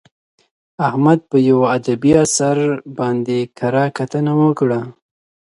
احمد په یوه ادبي اثر باندې کره کتنه وکړه.